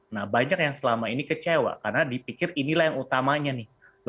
nah banyak yang selama ini kecewa karena dipikir inilah yang utamanya nih